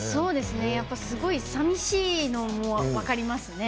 やっぱすごいさみしいのも分かりますね。